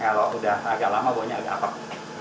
kalau sudah agak lama bohanya agak apet